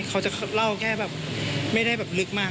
เขาจะเล่าแค่แบบไม่ได้แบบลึกมาก